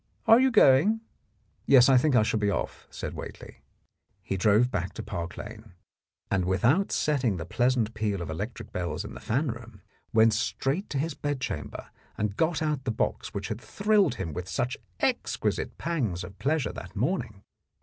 Are you going? " "Yes, I think I shall be off," said Whately. He drove back to Park Lane, and without setting 55 The Blackmailer of Park Lane the pleasant peal of electric bells in the fan room, went straight to his bedchamber and got out the box which had thrilled him with such exquisite pangs of pleasure that morning.